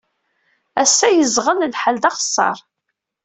Ass-a, yeẓɣel lḥal d axeṣṣar.